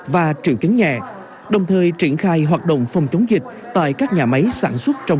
và triệu chứng nhẹ đồng thời triển khai hoạt động phòng chống dịch tại các nhà máy sản xuất trong